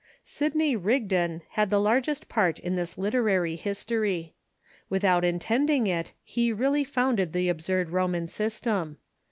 Sidney Rigdon had the largest part in this literary history. Without intending it, he really founded the absurd Mormon system.